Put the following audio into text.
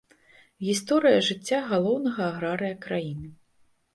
Гісторыя жыцця галоўнага аграрыя краіны.